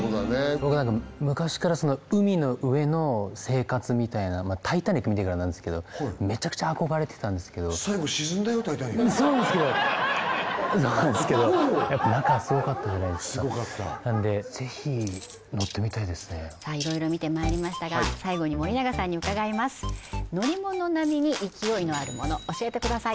僕なんか昔から海の上の生活みたいな「タイタニック」見てからなんですけどめちゃくちゃ憧れてたんですけど最後沈んだよ「タイタニック」そうなんですけどそうなんですけどやっぱ中がすごかったじゃないですかなのでぜひ乗ってみたいですねさあいろいろ見てまいりましたが最後に森永さんに伺います教えてください